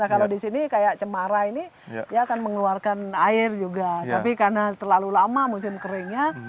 kalau di sini kayak cemara ini dia akan mengeluarkan air juga tapi karena terlalu lama musim keringnya